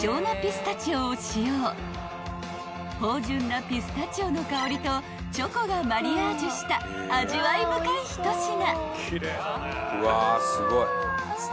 ［芳醇なピスタチオの香りとチョコがマリアージュした味わい深い一品］